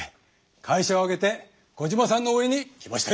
会社を挙げてコジマさんの応えんに来ましたよ！